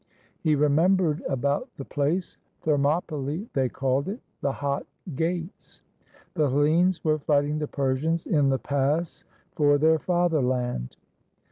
He re membered about the place: Thermopylae, they called it, the Hot Gates. The Hellenes were fighting the Persians in the pass for their fatherland.